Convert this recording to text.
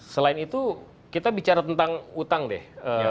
selain itu kita bicara tentang utang deh